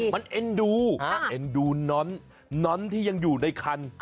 มันเอ็นดูเอ็นดูน้อนน้อนที่ยังอยู่ในคัน